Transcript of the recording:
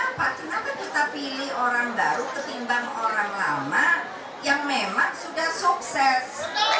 kenapa kenapa kita pilih orang baru ketimbang orang lama yang memang sudah sukses